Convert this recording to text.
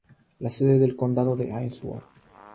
La sede del condado es Ainsworth.